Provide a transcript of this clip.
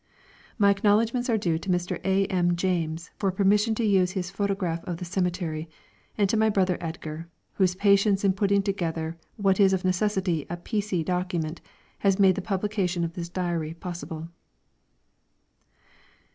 My acknowledgments are due to Mr. A. M. James for permission to use his photograph of the cemetery, and to my brother Edgar, whose patience in putting together what is of necessity a piecy document has made the publication of this diary possible.